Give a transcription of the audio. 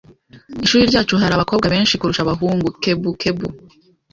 Ishuri ryacu hari abakobwa benshi kurusha abahungu. (kebukebu)